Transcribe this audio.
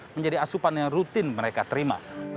menjadi asupan yang rutin mereka terima